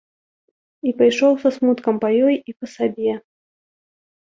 І пайшоў са смуткам па ёй і па сабе.